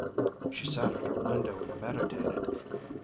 She sat at her window and meditated.